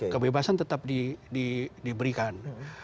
kebebasan tetap diberikan